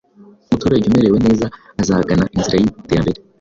Umuturage umerewe neza, azagana inzira y’iterambere